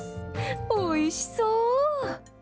おいしそう！